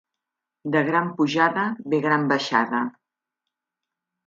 De gran pujada ve gran baixada.